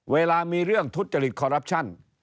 เวลามีเรื่องทุจริตคอรัปชั่น